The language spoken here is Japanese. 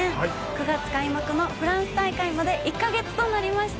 ９月開幕のフランス大会まで１か月となりました。